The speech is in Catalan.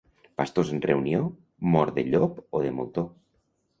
Pastors en reunió, mort de llop o de moltó.